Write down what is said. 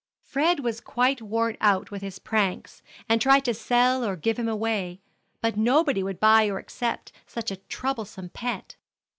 Fred was quite worn out with his pranks, and tried to sell or give him away; but nobody would buy or accept such a troublesome pet.